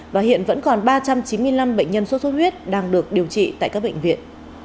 và hiện vẫn còn ba trăm chín mươi năm bệnh nhân sốt xuất huyết đang được điều trị tại các bệnh viện